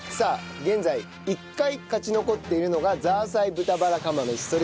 現在１回勝ち残っているのがザーサイ豚バラ釜飯。